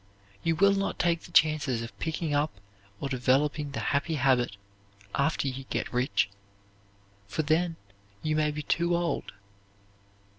You will not take the chances of picking up or developing the happy habit after you get rich, for then you may be too old.